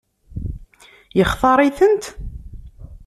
Yextaṛ-itent?